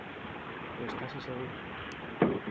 pues casi seguro